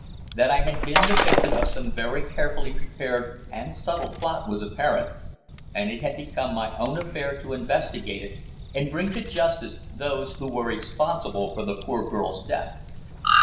That I had been the victim of some very carefully prepared and subtle plot was apparent, and it had become my own affair to investigate it and bring to justice those who were responsible for the poor girl's death.